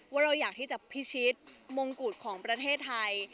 ว่าเราอยากที่จะพิชิตมงกุฎของประเทศไทย